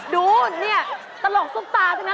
ดูนี่ตลกซุปตาซึ่งนะ